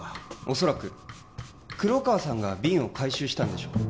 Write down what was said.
恐らく黒川さんが瓶を回収したんでしょう